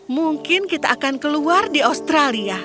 mungkin kita akan keluar di australia